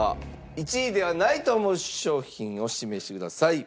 １位ではないと思う商品を指名してください。